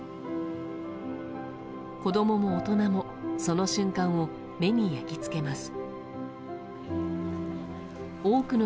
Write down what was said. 子供も大人もその瞬間を目に焼き付けます。